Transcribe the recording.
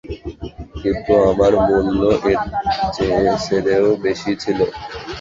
কিন্তু আমার মূল্য এর ছেড়েও বেশি ছিল।